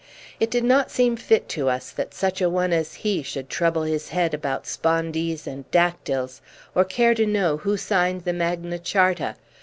It did not seem fit to us that such a one as he should trouble his head about spondees and dactyls, or care to know who signed the Magna Charta.